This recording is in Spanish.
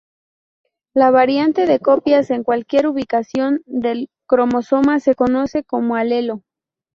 La variante de copias en cualquier ubicación del cromosoma se conoce como alelo.